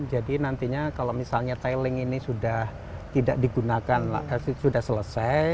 jadi nantinya kalau misalnya tiling ini sudah tidak digunakan sudah selesai